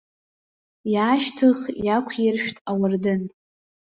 Иаашьҭых иақәиршәт ауардын.